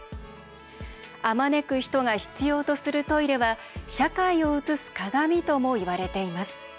あまねく人が必要とするトイレは「社会を映す鏡」ともいわれています。